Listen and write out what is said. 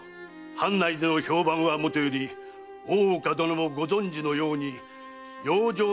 藩内での評判はもとより大岡殿もご存じのように養生所の医師としての評判も上々。